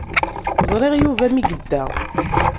Ẓriɣ Yuba mi yedda.